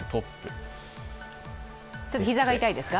膝が痛いですか？